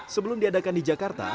sebelum diadakan di jakarta